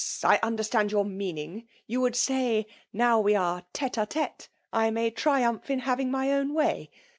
I understand your meaning !— you weidd say, now we are tete a tete, I may triumph in having my own way.